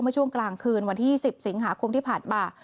ช่วงกลางคืนวันที่๑๐สิงหาคมที่ผ่านมา